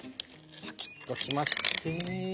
パキッときまして。